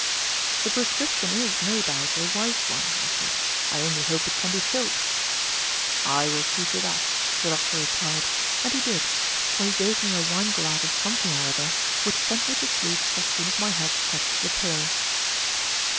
"The prescription is, no doubt, a wise one," I said; "I only hope it can be filled." "I will see to that," the doctor replied, and he did, for he gave me a wineglass of something or other which sent me to sleep as soon as my head touched the pillow.